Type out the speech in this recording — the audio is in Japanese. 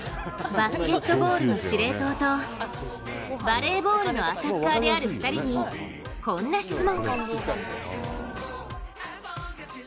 バスケットボールの司令塔とバレーボールのアタッカーである２人にこんな質問。